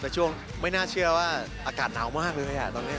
แต่ช่วงไม่น่าเชื่อว่าอากาศหนาวมากเลยตอนนี้